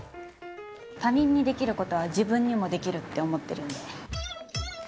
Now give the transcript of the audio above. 他人にできることは自分にもできると思ってるんで。